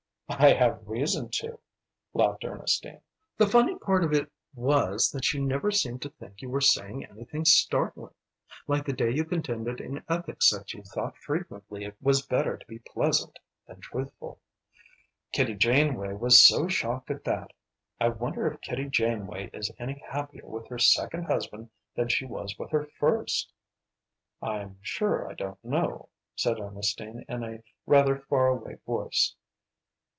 "I have reason to," laughed Ernestine. "The funny part of it was that you never seemed to think you were saying anything startling. Like the day you contended in ethics that you thought frequently it was better to be pleasant than truthful. Kitty Janeway was so shocked at that. I wonder if Kitty Janeway is any happier with her second husband than she was with her first?" "I'm sure I don't know," said Ernestine in a rather far away voice.